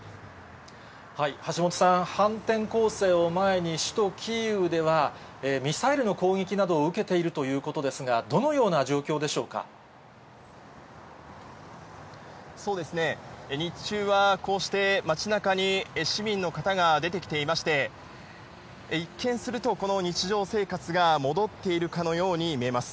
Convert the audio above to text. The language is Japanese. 橋本さん、反転攻勢を前に、首都キーウでは、ミサイルの攻撃などを受けているということですが、どのような状そうですね、日中はこうして街なかに市民の方が出てきていまして、一見すると、この日常生活が戻っているかのように見えます。